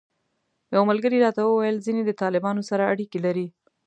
یو ملګري راته وویل ځینې د طالبانو سره اړیکې لري.